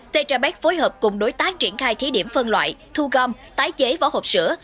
tgp phối hợp cùng đối tác triển khai thí điểm phân loại thu gom tái chế vỏ hộp sữa